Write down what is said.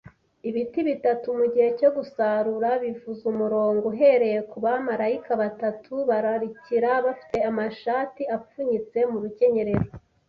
Ibiti bitatu mugihe cyo gusarura bivuza umurongo uhereye kubamarayika batatu bararikira bafite amashati apfunyitse mu rukenyerero,